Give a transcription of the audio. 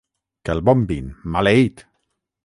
Que el bombin, maleït!